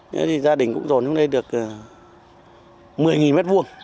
nên thì gia đình cũng dồn trong đây được một mươi m hai